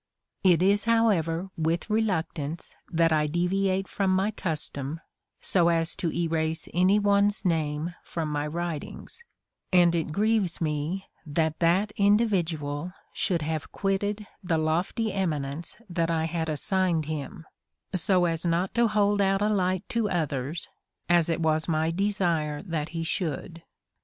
It is, however, with reluctance that I deviate from my custom, so as to erase any one's name from my writings, and it grieves me that that individual should have quitted the lofty eminence that I had assigned him, ^ so as not to hold out a light to others, as it was my desire that he should.